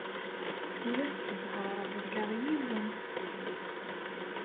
Ur as-sseḍhareɣ ula i yiwen.